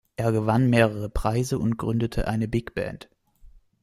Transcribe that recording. Er gewann mehrere Preise und gründete eine Bigband.